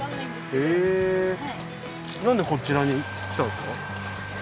へなんでこちらに来たんですか？